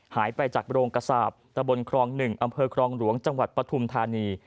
หายไปจากโรงกระสาปตะบนครอง๑อำเภอครองหลวงจังหวัดปฐุมธานี